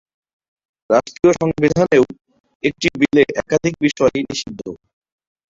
রাষ্ট্রীয় সংবিধানেও একটি বিলে একাধিক বিষয় নিষিদ্ধ।